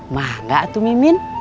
mah nggak tuh mimin